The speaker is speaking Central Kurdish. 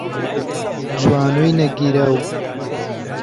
جوانووی نەگیراو